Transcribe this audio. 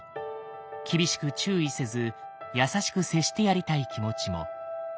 厳しく注意せず優しく接してやりたい気持ちも。